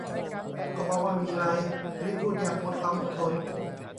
ก็บอกว่าไม่มีอะไร ! อลิสพูดอย่างหมดความอดทน